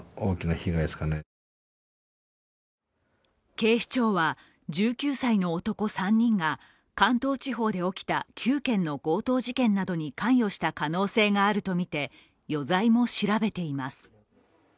警視庁は１９歳の男３人が関東地方で起きた９件の強盗事件などに関与した可能性があるとみて余罪も調べています。